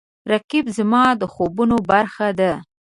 رقیب زما د خوبونو برخه ده